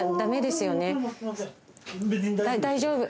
大丈夫。